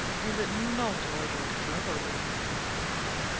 Is it not ordered cleverly?"